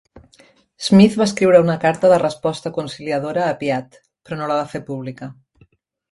Smith va escriure una carta de resposta conciliadora a Piatt, però no la va fer pública.